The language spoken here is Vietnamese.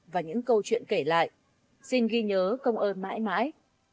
và những câu chuyện kể lại xin ghi nhớ công ơn mãi mãi